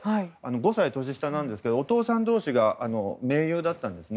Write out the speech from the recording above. ５歳年下なんですけどお父さん同士が盟友だったんです。